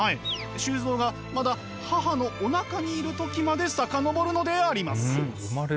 周造がまだ母のおなかにいる時まで遡るのであります。